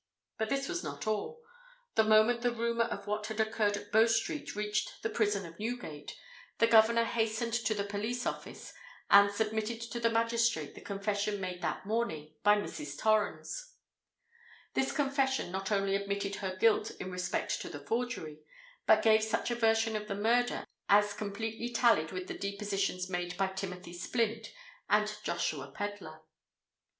But this was not all. The moment the rumour of what had occurred at Bow Street reached the prison of Newgate, the governor hastened to the police office, and submitted to the magistrate the confession made that morning by Mrs. Torrens. This confession not only admitted her guilt in respect to the forgery—but gave such a version of the murder, as completely tallied with the depositions made by Timothy Splint and Joshua Pedler.